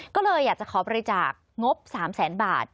ก็เลยอยากจะขอบริจาคงบ๓แสนบาท